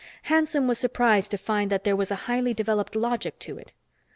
Hanson was surprised to find that there was a highly developed logic to it.